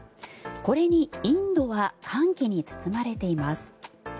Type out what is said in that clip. これにインドは歓喜に包まれています。